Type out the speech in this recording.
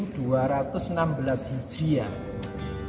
di situ ada tulisan seribu